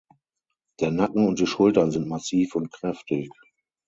Der Nacken und die Schultern sind massiv und kräftig.